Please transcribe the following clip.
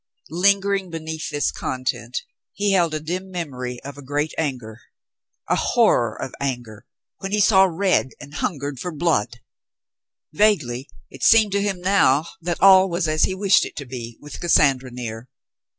Lingering beneath this content, he held a dim memory of a great anger — a horror of anger, when he saw red, and hungered for blood. Vaguely it seemed to him now that all was as he wished it to be with Cassandra near.